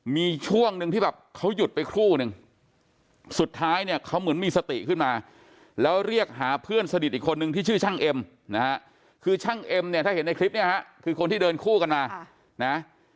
มีช่วงหนึ่งที่แบบเขาหยุดไปครู่นึงสุดท้ายเนี่ยเขาเหมือนมีสติขึ้นมาแล้วเรียกหาเพื่อนสนิทอีกคนนึงที่ชื่อช่างเอ็มนะฮะคือช่างเอ็มเนี่ยถ้าเห็นในคลิปเนี่ยฮะคือคนที่เดินคู่กันมานะ